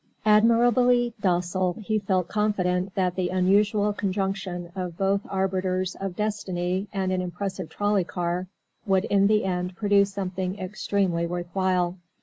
Admirably docile, he felt confident that the unusual conjunction of both arbiters of destiny and an impressive trolley car would in the end produce something extremely worth while.